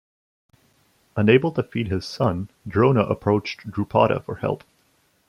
Unable to feed his son, Drona approached Drupada for help.